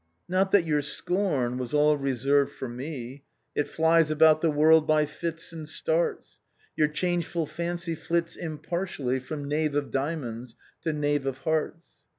" Not that your scorn was all reserved for me, It fiies about the world by fits and starts; Your changeful fancy flits impartially From knave of diamonds to knave of hearts.